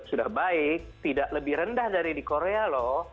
sudah baik tidak lebih rendah dari di korea loh